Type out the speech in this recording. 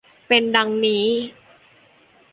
เป็นดังนี้